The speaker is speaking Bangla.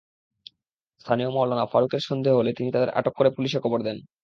স্থানীয় মাওলানা ফারুকের সন্দেহ হলে তিনি তাদের আটক করে পুলিশে খবর দেন।